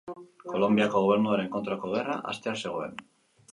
Kolonbiako gobernuaren kontrako gerra hastear zegoen.